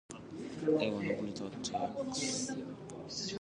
There were no temperature checks.